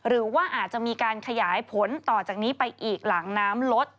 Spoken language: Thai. หรือว่าอาจจะมีการขยายผลต่อจากนี้ไปอีกหลังน้ำลด